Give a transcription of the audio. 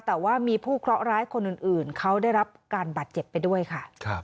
แต่ว่ามีผู้เคราะห์ร้ายคนอื่นเขาได้รับการบาดเจ็บไปด้วยค่ะ